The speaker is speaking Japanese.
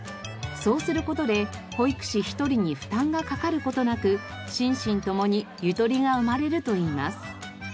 そうする事で保育士１人に負担がかかる事なく心身共にゆとりが生まれるといいます。